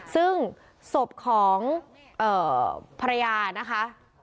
ซึ่งศพของภรรยานะคะ